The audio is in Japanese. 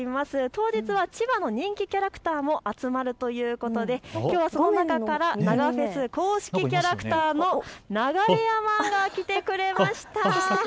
当日は千葉の人気キャラクターも集まるということで、その中からきょうは、ながフェス公式キャラクターのながれやマンが来てくれました。